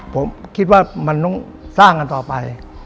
ผมคิดว่ามันต้องสร้างกันต่อไป